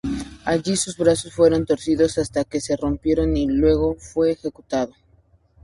Allí sus brazos fueron torcidos hasta que se rompieron, y luego fue ejecutado.